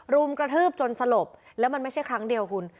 รุมกระทืบจนสลบแล้วมันไม่ใช่ครั้งเดียวคุณ